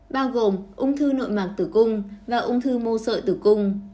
bao gồm ung thư nội mạc tử cung và ung thư mô sợi tử cung